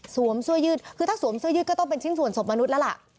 สวมซวยืกคือถ้าสวมซวยืกก็ต้องเป็นชิ้นสวนสวมมนุษย์แล้วล่ะ